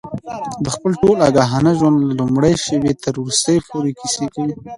د خپل ټول آګاهانه ژوند له لومړۍ شېبې تر وروستۍ پورې کیسې کوي.